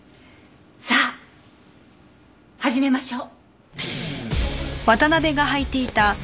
さあ始めましょう。